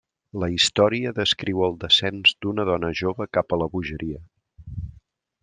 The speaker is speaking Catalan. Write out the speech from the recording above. La història descriu el descens d'una dona jove cap a la bogeria.